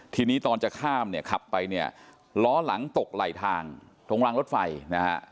ทีนี้ตอนจะข้ามเนี่ยขับไปเนี่ยล้อหลังตกไหลทางตรงรางรถไฟนะฮะ